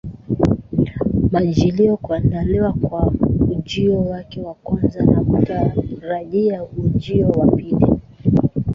Majilio kuandaliwa kwa ujio wake wa kwanza na kutarajia ujio wa pili